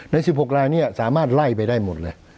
ใน๑๖ลายนี้สามารถไล่ไปได้หมดเลย